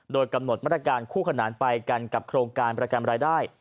โดยกำหนดมาตรการคู่ขนานไปกันกับโครงการประกันรายได้